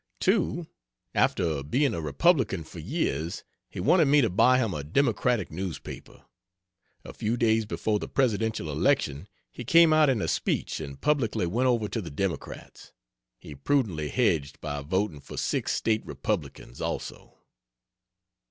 2. After being a republican for years, he wanted me to buy him a democratic newspaper. A few days before the Presidential election, he came out in a speech and publicly went over to the democrats; he prudently "hedged" by voting for 6 state republicans, also.